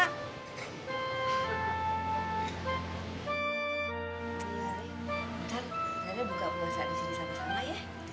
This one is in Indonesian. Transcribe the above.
bentar raya buka puasa disini sama sama ya